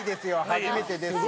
初めてですが。